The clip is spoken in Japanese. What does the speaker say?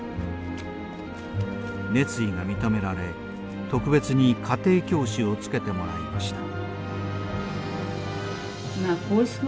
熱意が認められ特別に家庭教師をつけてもらいました。